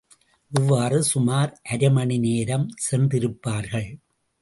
இவ்வாறு சுமார் அரை மணி நேரம் சென்றிருப்பார்கள்.